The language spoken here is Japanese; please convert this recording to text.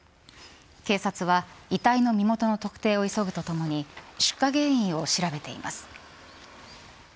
警察は遺体の身元の特定を急ぐとともに出火原因を調べています。